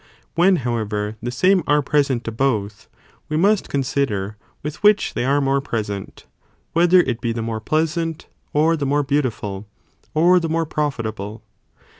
'When, however, the same are present to both, we must con sider with which they are more present, whether it be the more pleasant, or the more beautiful, or the more profitable.